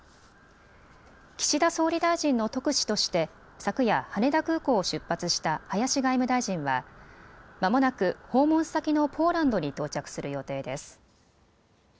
岸田総理大臣の特使として昨夜、羽田空港を出発した林外務大臣はまもなく訪問先のポーランドに到着する予定です。